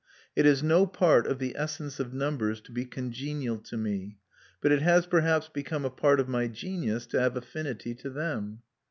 It is no part of the essence of numbers to be congenial to me; but it has perhaps become a part of my genius to have affinity to them.